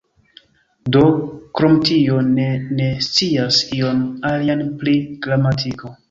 Do, krom tio, ne ne scias ion alian pri gramatiko.